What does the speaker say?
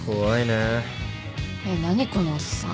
えっ何このおっさん。